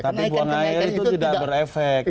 tapi buang air itu tidak berefek